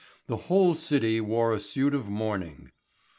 The whole city wore a suit of mourning.